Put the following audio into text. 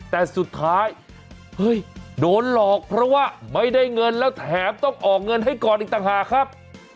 แต่สุดท้ายเฮ้ยโดนหลอกเพราะว่าไม่ได้เงินแล้วแถมต้องออกเงินให้ก่อนอีกต่างหากครับ